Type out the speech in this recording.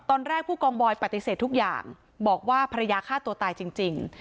ตอนแรกผู้กองบอยปฏิเสธทุกอย่างบอกว่าภรรยาฆ่าตัวตายจริง